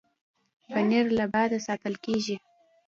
پنېر له باده ساتل کېږي.